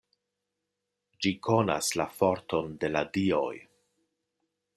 Ĝi konas la forton de la Dioj.